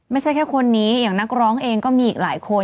ไม่ใช่แค่คนนี้อย่างนักร้องเองก็มีอีกหลายคน